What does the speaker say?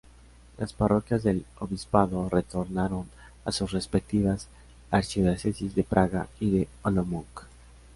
Las parroquias del obispado retornaron a sus respectivas archidiócesis de Praga y de Olomouc.